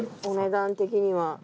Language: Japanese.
お値段的には。